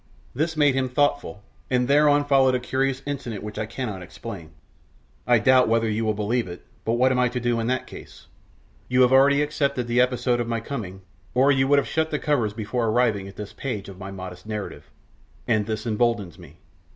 This made him thoughtful, and thereon followed a curious incident which I cannot explain. I doubt even whether you will believe it; but what am I to do in that case? You have already accepted the episode of my coming, or you would have shut the covers before arriving at this page of my modest narrative, and this emboldens me.